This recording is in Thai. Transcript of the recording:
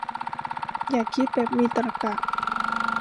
อยากคิดแบบมีตรรกะ